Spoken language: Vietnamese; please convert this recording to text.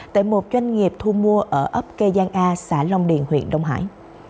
tại một doanh nghiệp thu mua ở ấp kê giang a xã long điền huyện đông hải